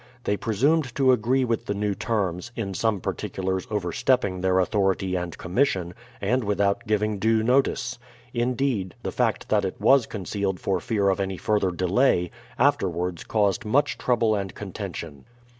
They presumed to agree with the 38 BRADFORD'S HISTORY OF new terms, in some particulars overstepping their authority and commission, and without giving due notice. Indeed, the fact that it was concealed for fear of any further delay, afterwards caused much trouble and contention.